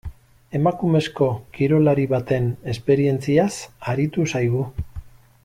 Emakumezko kirolari baten esperientziaz aritu zaigu.